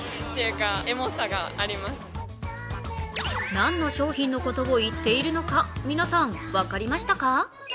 何の商品のことを言っているのか皆さん、分かりましたか？